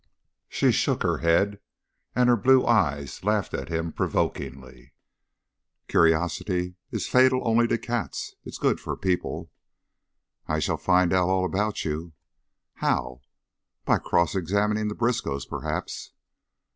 She shook her head, and her blue eyes laughed at him provokingly. "Curiosity is fatal only to cats. It is good for people." "I shall find out all about you." "How?" "By cross examining the Briskows, perhaps."